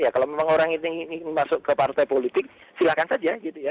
kalau memang orang ini ingin masuk ke partai politik silakan saja gitu ya